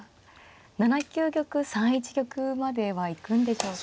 ７九玉３一玉までは行くんでしょうか。